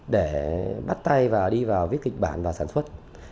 để bắt tay và đi vào viết kịch bản và sản xuất